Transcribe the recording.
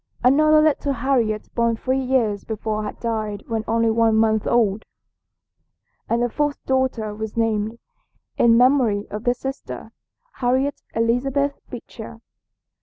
Another little Harriet born three years before had died when only one month old, and the fourth daughter was named, in memory of this sister, Harriet Elizabeth Beecher.